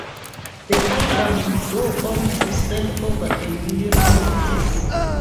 The album would go on to sell over a million copies.